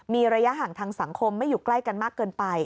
มีระยะห่างทางสังคมไม่อยู่ใกล้กันมากเกินไป